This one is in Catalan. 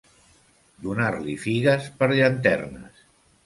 Donar-li figues per llanternes.